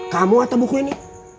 kamu atau buku ini